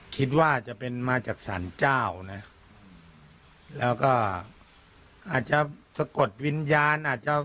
คิดว่าจะมาจากศาลเจ้าแล้วก็อาจจะสกดวิญญาณ